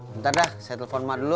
bentar dah saya telepon mana dulu